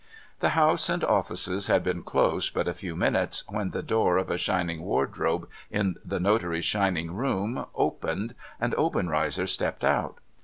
The house and offices had been closed but a few minutes, when the door of a shining wardrobe in the notary's shining room opened, and Obenreizer stepped out.